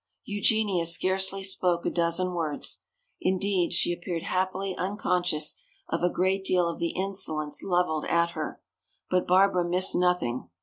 Eugenia scarcely spoke a dozen words. Indeed, she appeared happily unconscious of a great deal of the insolence leveled at her. But Barbara missed nothing.